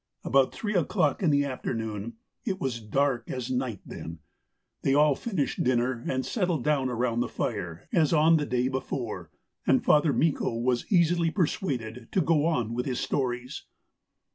About three o'clock in the afternoon it was dark as night then they had all finished dinner and settled down around the fire as on the day before, and Father Mikko was easily persuaded to go on with his stories.